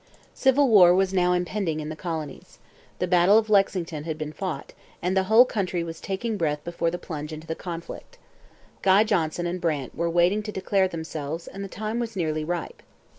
Civil war was now impending in the colonies. The battle of Lexington had been fought, and the whole country was taking breath before the plunge into the conflict. Guy Johnson and Brant were waiting to declare themselves and the time was nearly ripe.